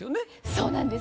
そうなんです。